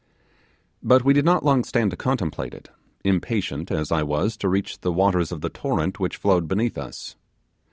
But we did not long stand to contemplate it, impatient as I was to reach the waters of the torrent which flowed beneath us.